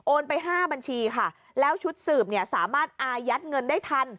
โอนไป๕บัญชีค่ะแล้วชุดสืบสามารถอายัดเงินได้ทัน